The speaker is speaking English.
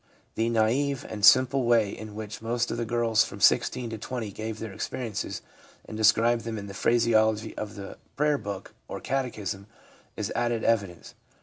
The naive and simple way in which most of the girls from 16 to 20 gave their experiences, and described them in the phraseology of the prayer book or catechism, is added evidence.